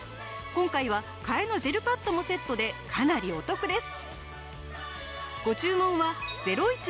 今回は替えのジェルパッドもセットでかなりお得です！